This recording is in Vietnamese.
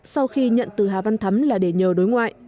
sau khi nhận từ hà văn thắm là để nhờ đối ngoại